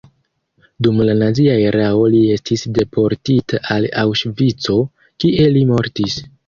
Dum la nazia erao li estis deportita al Aŭŝvico, kie li mortis.